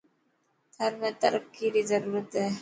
ٿر ۾ ترقي ري ضرورت هي.